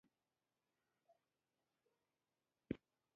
چې د ښار په سهېلي اړخ کې به پر فرعي لارو ځو.